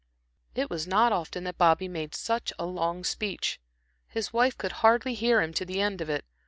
It was not often that Bobby made such a long speech. His wife could hardly hear him to the end of it.